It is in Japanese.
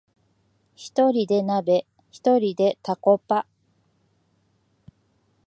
ひとりで鍋、ひとりでタコパ